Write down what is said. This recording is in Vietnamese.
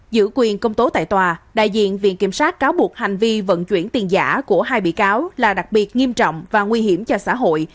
giữ quyền công tố tại tòa đại diện viện kiểm sát cáo buộc hành vi vận chuyển tiền giả của hai bị cáo là đặc biệt nghiêm trọng và nguy hiểm cho xã hội